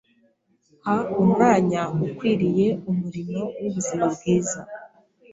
Ha Umwanya Ukwiriye Umurimo w’Ubuzima bwiza